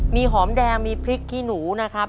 มีหอมแดงมีพริกขี้หนูนะครับ